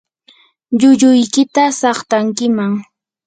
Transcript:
llulluykita saqtankiman.